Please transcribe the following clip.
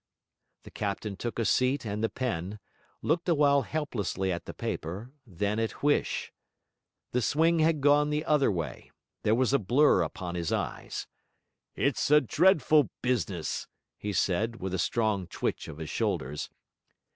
The captain took a seat and the pen, looked a while helplessly at the paper, then at Huish. The swing had gone the other way; there was a blur upon his eyes. 'It's a dreadful business,' he said, with a strong twitch of his shoulders.